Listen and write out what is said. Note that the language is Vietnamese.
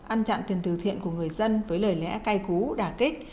ăn chặn tiền từ thiện của người dân với lời lẽ cay cú đà kích